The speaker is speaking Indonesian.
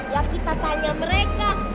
ya kita tanya mereka